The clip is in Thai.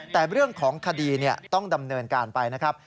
แต่เรื่องของคดีต้องดำเนินการไปนะครับ